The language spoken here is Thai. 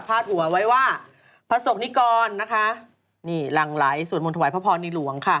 หัวไว้ว่าพระศกนิกรนะคะนี่หลั่งไหลสวดมนต์ถวายพระพรในหลวงค่ะ